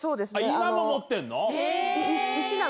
今も持ってんの？